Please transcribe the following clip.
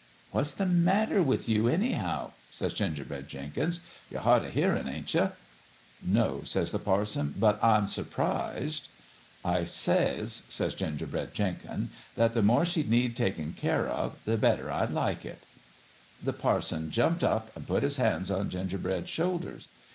"* What's the matter with you, anyhow ?' says Gingerbread Jenkins. ' You're hard o' hearin', ain't you ?'"' No/ says the parson ;' but I'm s' prised/ "' I says/ says Gingerbread Jenkins, ' that the more she'd need takin' care of, the better I'd like it/ "The parson jumped up an' put his hands on Gingerbread's shoulders.